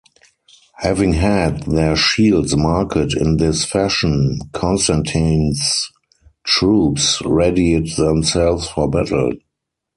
Having had their shields marked in this fashion, Constantine's troops readied themselves for battle.